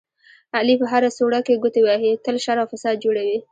علي په هره سوړه کې ګوتې وهي، تل شر او فساد جوړوي.